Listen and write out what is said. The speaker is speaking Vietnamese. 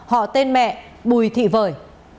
họ tên mẹ bùi thị vợi